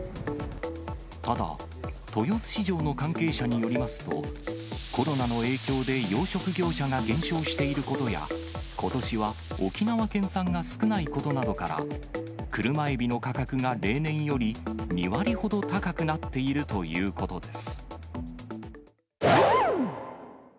ただ、豊洲市場の関係者によりますと、コロナの影響で、養殖業者が減少していることや、ことしは沖縄県産が少ないことなどから、車エビの価格が例年より２割ほど高くなっているということです。